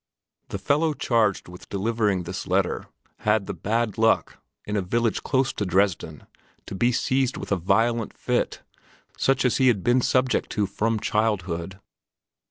The fellow charged with delivering this letter had the bad luck, in a village close to Dresden, to be seized with a violent fit, such as he had been subject to from childhood.